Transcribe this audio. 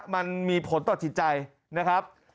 มันมีผลต่อจิตใจนะครับ